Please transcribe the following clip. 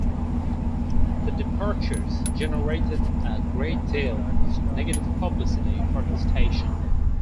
The departures generated a great deal of negative publicity for the station.